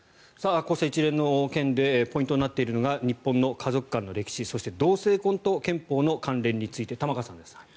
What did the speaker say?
こうした一連の件でポイントになっているのが日本の家族観の歴史そして同性婚と憲法の関連について玉川さんです。